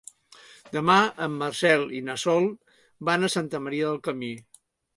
Demà en Marcel i na Sol van a Santa Maria del Camí.